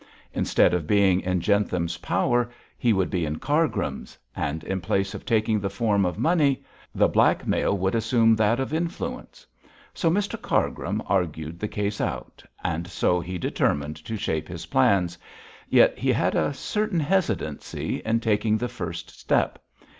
Instead of being in Jentham's power he would be in Cargrim's; and in place of taking the form of money, the blackmail would assume that of influence. So Mr Cargrim argued the case out; and so he determined to shape his plans: yet he had a certain hesitancy in taking the first step.